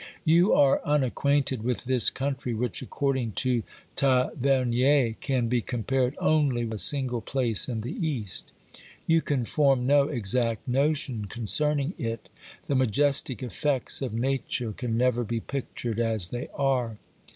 You are unacquainted with this country which, according to Tavernier, can be compared only with a single place in the East. You can form no exact notion concerning it. The majestic effects of Nature can never be pictured as they are.